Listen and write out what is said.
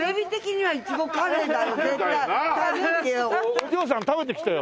お嬢さん食べてきてよ。